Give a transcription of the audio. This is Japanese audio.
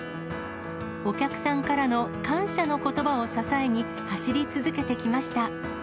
お客さんからの感謝のことばを支えに、走り続けてきました。